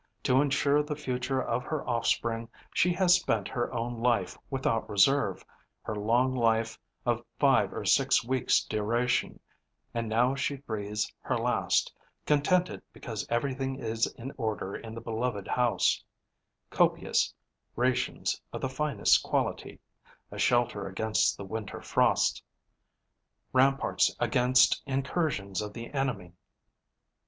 To ensure the future of her offspring, she has spent her own life without reserve, her long life of five or six weeks' duration; and now she breathes her last, contented because everything is in order in the beloved house: copious rations of the first quality; a shelter against the winter frosts; ramparts against incursions of the enemy.